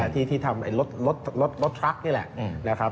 ที่ทำรถทรัคนี่แหละ